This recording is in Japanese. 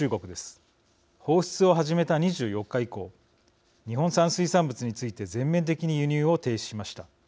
放出を始めた２４日以降日本産水産物について全面的に輸入を停止しました。